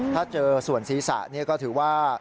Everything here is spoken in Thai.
ถ้าเจอส่วนศีรษะก็ถือว่า